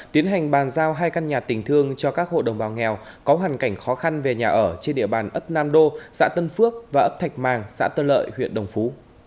tiến hành bàn giao hai căn nhà tình thương cho các hộ đồng bào nghèo có hoàn cảnh khó khăn về nhà ở trên địa bàn ấp nam đô xã tân phước và ấp thạch màng xã tân lợi huyện đồng phú